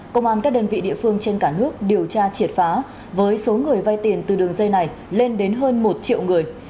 công an các đơn vị địa phương trên cả nước điều tra triệt phá với số người vay tiền từ đường dây này lên đến hơn một triệu người